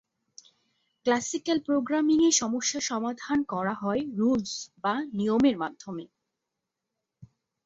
Classical programming এ সমস্যার সমাধান করা হয় রুলস বা নিয়মের মাধ্যমে।